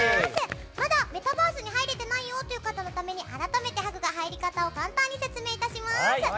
まだメタバースに入れていない方のために改めて、ハグが入り方を簡単に説明いたします。